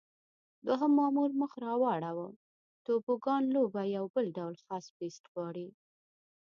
دوهم مامور مخ را واړاوه: توبوګان لوبه یو ډول خاص پېست غواړي.